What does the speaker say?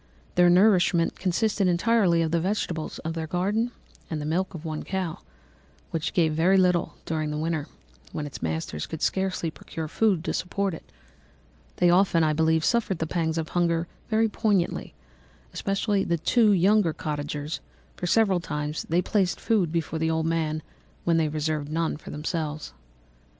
Their nourishment consisted entirely of the vegetables of their garden and the milk of one cow, which gave very little during the winter, when its masters could scarcely procure food to support it. They often, I believe, suffered the pangs of hunger very poignantly, especially the two younger cottagers, for several times they placed food before the old man when they reserved none for themselves.